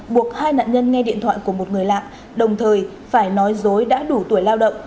buộc hai nạn nhân nghe điện thoại của một người lạ đồng thời phải nói dối đã đủ tuổi lao động